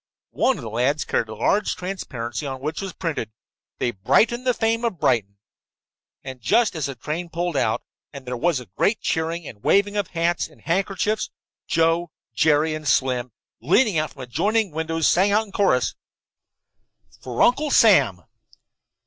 One of the lads carried a large transparency on which was printed: "THEY BRIGHTEN THE FAME OF BRIGHTON" And just as the train pulled out, and there was great cheering and waving of hats and handkerchiefs, Joe, Jerry and Slim, leaning from adjoining windows, sang out in chorus: "For Uncle Sam."